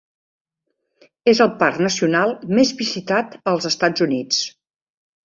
És el parc nacional més visitat als Estats Units.